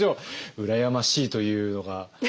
羨ましいというのが。